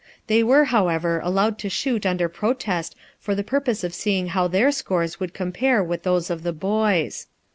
They were, however, allowed to shoot under protest for the purpose of seeing how their scores would compare with those of the boys.